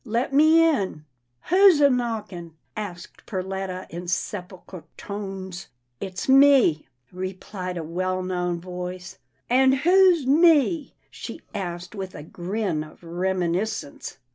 Let me in." " Who's a knockin' ?" asked Perletta in sepul chral tones. " It's me," replied a well known voice. " And who's ' me '?" she asked with a grin of reminiscence.